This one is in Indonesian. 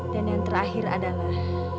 dan yang terakhir adalah